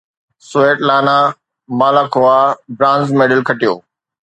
Svetlana Malakhova bronze medal کٽيو